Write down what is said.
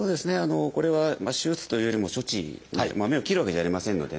これは手術というよりも処置目を切るわけじゃありませんのでね